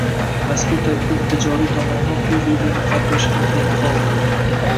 Mazkur tadbir tijoriy tomondan o‘z-o‘zini qoplashi amri mahol bo‘lgan